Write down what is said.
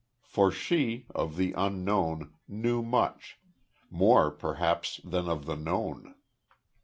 For she, of the Unknown, knew much more, perhaps, than of the known.